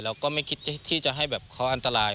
เราก็ไม่คิดที่จะให้เขาอันตราย